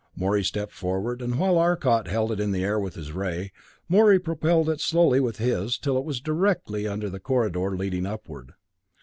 Morey stepped forward, and while Arcot held it in the air with his ray, Morey propelled it slowly with his, till it was directly under the corridor leading upward.